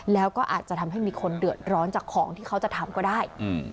แล้วก็อาจจะทำให้มีคนเดือดร้อนจากของที่เขาจะทำก็ได้